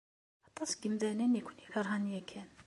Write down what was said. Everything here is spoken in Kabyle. Aṭas n yemdanen i ken-ikeṛhen yakan.